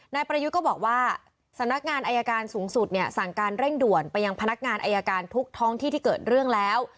นายประยุทธ์ก็บอกว่าสำนักงานอายการสูงสุดเนี่ยสั่งการเร่งด่วนไปยังพนักงานอายการทุกท้องที่ที่เกิดเรื่องแล้ว